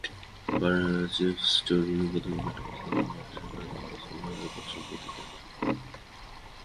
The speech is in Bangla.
পচেফস্ট্রুমে প্রথমে ব্যাট করতে নামা বাংলাদেশ রান তুলেছে একেবারেই কচ্ছপ গতিতে।